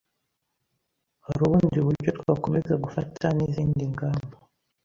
Harubundi buryo twakomeza gufata nizindi ngamba